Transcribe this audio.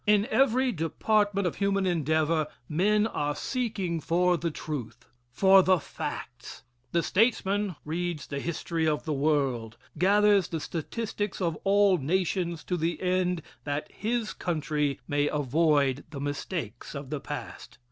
In every department of human endeavor men are seeking for the truth for the facts. The statesman reads the history of the world, gathers the statistics of all nations to the end that his country may avoid the mistakes of the past.